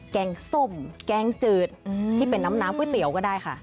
แกงส้มแกงจืดที่เป็นน้ำก๋วยเตี๋ยวก็ได้ค่ะ